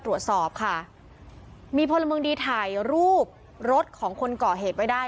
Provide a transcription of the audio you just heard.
ตรวจสอบค่ะมีพลเมืองดีถ่ายรูปรถของคนก่อเหตุไว้ได้